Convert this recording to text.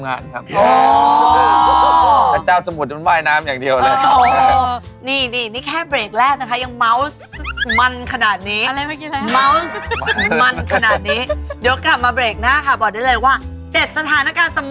นายสวรรค์ถ้านั้นล่ะอ๋อชื่อสวรรค์